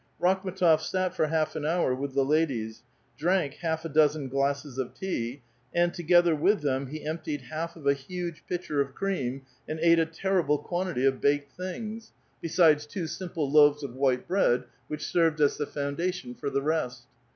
Rakhm^tof sat for half an hour with the ladic'S, drank half a dozen glasses of tea, and, together with them, he emptied half of a huge pitcher of cream and ate a teiTible quantity of baked things, besides A VITAL QUESTION. 298 two simple loaves of white bread, which served as the founda tion for the rest.